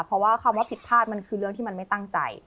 เพราะว่าคำว่าผิดพลาดมันคือเรื่องที่มันไม่ตั้งใจ